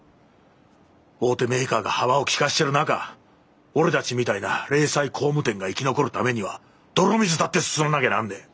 大手メーカーが幅を利かせてる中俺たちみたいな零細工務店が生き残るためには泥水だってすすんなきゃなんねえ！